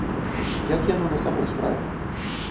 Як яно на самой справе?